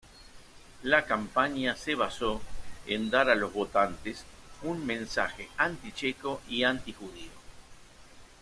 La campaña se basó en dar a los votantes un mensaje anti-checo y anti-judío.